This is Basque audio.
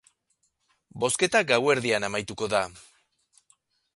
Bozketa gauerdian amaituko da.